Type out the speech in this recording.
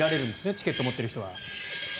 チケットを持っている人は。